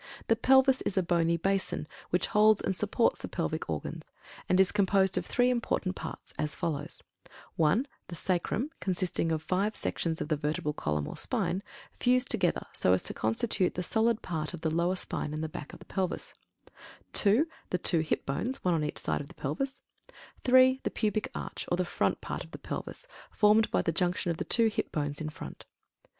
The Pelvis is a bony basin which holds and supports the pelvic organs, and is composed of three important parts, as follows: (1) The Sacrum, consisting of five sections of the vertebral column, or spine, fused together so as to constitute the solid part of the lower spine and the back of the Pelvis; (2) the two Hip Bones, one on each side of the Pelvis; (3) the Pubic Arch, or the front part of the Pelvis, formed by the junction of the two Hip Bones in front.